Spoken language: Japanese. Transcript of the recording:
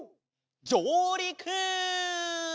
じょうりく！